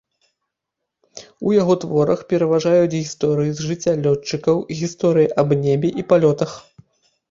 У яго творах пераважаюць гісторыі з жыцця лётчыкаў, гісторыі аб небе і палётах.